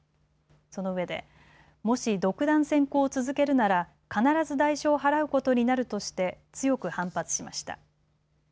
そのうえでもし独断専行を続けるなら必ず代償を払うことになるとして強く反発しました。